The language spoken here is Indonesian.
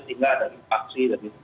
tinggal ada infeksi